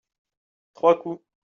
trois coups.